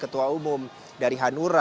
ketua umum dari hanura